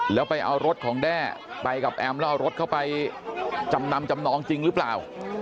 แล้วไปเอารถของแด้ไปกับแอมแล้วเอารถเข้าไปจำนำจำนองจริงหรือเปล่า